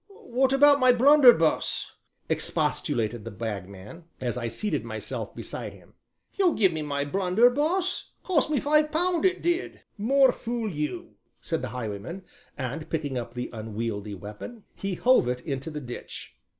"What about my blunderbuss?" expostulated the Bagman, faintly, as I seated myself beside him, "you'll give me my blunderbuss cost me five pound it did." "More fool you!" said the highwayman, and, picking up the unwieldy weapon, he hove it into the ditch.